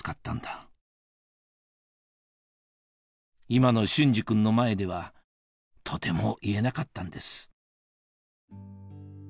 今の隼司君の前ではとても言えなかったんです